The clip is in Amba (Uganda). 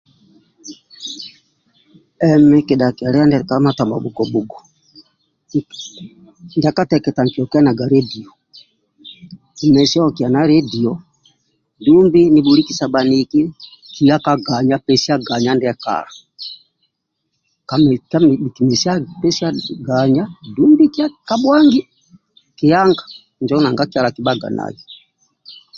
Emi kidhaki lia ndia ka tamabhugobhugo ndia kateketa nkiokianaga ledio kimesia oliana ledio dumbi nibhulikisa bhaniki niya ka ganya pesia ndie kala kimesi pesia ganya dumbi kiya kabhwangi kianga injo nanga kyalo akibhaga nai